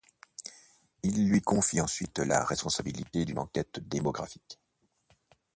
Il lui confie ensuite la responsabilité d’une enquête démographique.